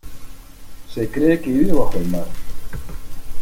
Se cree que vive bajo el mar.